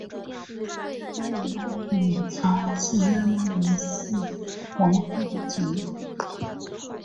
巴育拉翁的母亲是拉玛一世王后的姐妹。